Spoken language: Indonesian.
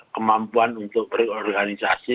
kemampuan untuk berorganisasi